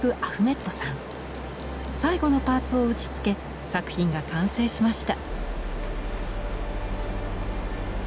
最後のパーツを打ちつけ作品が完成しました。